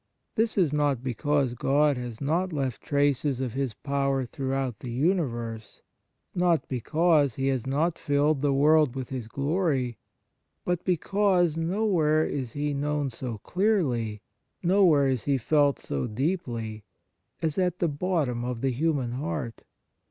This is not because God has not left traces of His power throughout the universe, * Matt. vii. 7. 36 The Nature of Piety not because He has not filled the world with His glory, but because nowhere is He known so clearly, no where is He felt so deeply, as at the bottom of the human heart.